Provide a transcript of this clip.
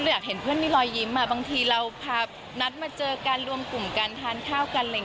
อยากเห็นเพื่อนมีรอยยิ้มบางทีเราพานัดมาเจอกันรวมกลุ่มการทานข้าวกันอะไรอย่างนี้